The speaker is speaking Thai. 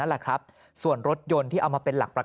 แล้วก็ไม่เกินมือตำรวจหรอกครับ